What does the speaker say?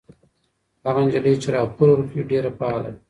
هغه نجلۍ چې راپور ورکوي ډېره فعاله ده.